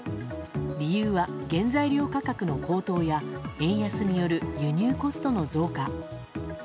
理由は原材料価格の高騰や円安による輸入コストの増加。